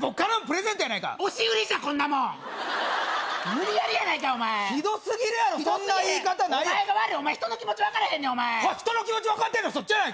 僕からのプレゼントやないか押し売りじゃこんなもん無理やりやないかお前ひどすぎるやろそんな言い方お前が悪い人の気持ち分からへんねんお前人の気持ち分かってへんのそっちやないか！